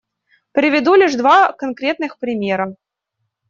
Приведу лишь два конкретных примера.